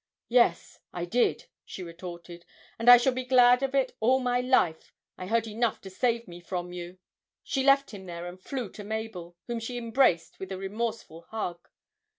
'Yes, I did,' she retorted, 'and I shall be glad of it all my life. I heard enough to save me from you!' She left him there and flew to Mabel, whom she embraced with a remorseful hug.